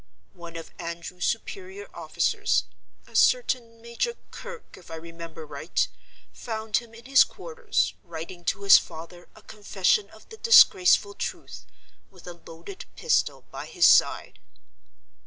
One of Andrew's superior officers—a certain Major Kirke, if I remember right—found him in his quarters, writing to his father a confession of the disgraceful truth, with a loaded pistol by his side.